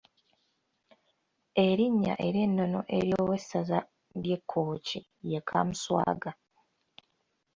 Erinnya ery’ennono ery’owessaza ly’e Kkooki ye Kaamuswaga.